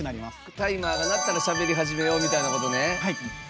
タイマーが鳴ったらしゃべり始めようみたいなことね。